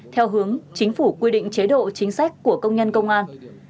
theo hướng chính phủ quy định chế độ chính sách của công nhân công an